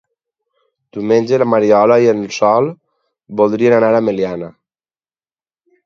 Diumenge na Mariona i en Sol voldrien anar a Meliana.